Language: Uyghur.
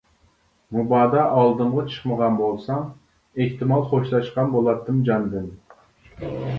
مۇبادا ئالدىمغا چىقمىغان بولساڭ، ئېھتىمال خوشلاشقان بولاتتىم جاندىن.